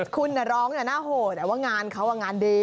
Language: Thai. คุณน่ะร้องน่ะน่ะโหแต่ว่างานเขาว่างานดี